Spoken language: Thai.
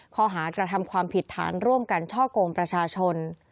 ข้อหากระทำความผิดฐานร่วมกันช่อกงประชาชน